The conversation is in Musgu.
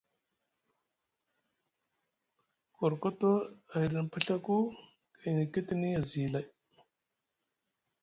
Korkoto a hiɗini paɵaku gayni kitini azi lay.